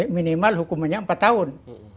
minimal hukumnya empat tahun